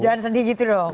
jangan sedih gitu dong